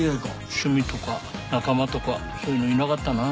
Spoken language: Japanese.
趣味とか仲間とかそういうのいなかったなぁ。